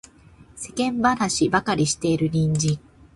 世間話ばかりしている隣人